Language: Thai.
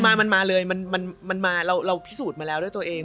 มันมาเลยเราพิสูจน์มาแล้วด้วยตัวเอง